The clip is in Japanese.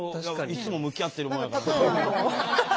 いつも向き合ってるもんやからな。